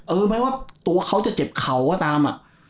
แม้ว่าตัวเขาจะเจ็บเข่าก็ตามอ่ะ